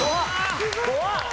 怖っ！